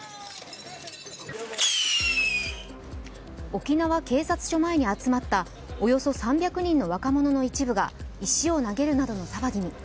沖縄警察署前に集まったおよそ３００人の若者の一部が石を投げるなどの騒ぎに。